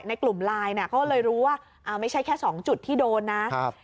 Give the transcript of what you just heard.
ในกลุ่มไลน์น่ะเขาเลยรู้ว่าไม่ใช่แค่สองจุดที่โดนนะครับ